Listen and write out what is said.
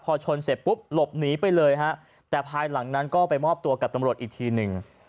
พอชนเสร็จปุ๊บหลบหนีไปเลยฮะแต่ภายหลังนั้นก็ไปมอบตัวกับตำรวจอีกทีหนึ่ง